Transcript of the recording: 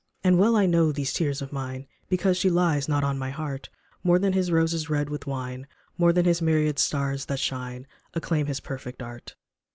And well I know these tears of mine Because she lies not on my heart, More than His roses red with wine, More than His myriad stars that shine, Acclaim His perfect art.